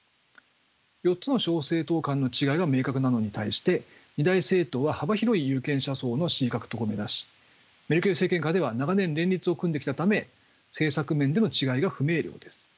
４つの小政党間の違いが明確なのに対して二大政党は幅広い有権者層の支持獲得を目指しメルケル政権下では長年連立を組んできたため政策面での違いが不明瞭です。